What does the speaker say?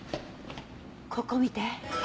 ここ見て。